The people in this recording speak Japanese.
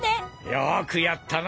よくやったな！